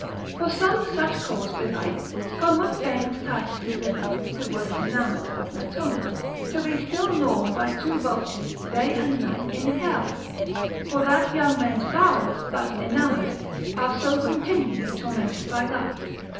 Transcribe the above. For some such cause belike Homer feigns Titius' liver (who was enamoured of Latona) to be still gnawed by two vultures day and night in hell, for that young men's bowels thus enamoured, are so continually tormented by love.